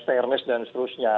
fairness dan seterusnya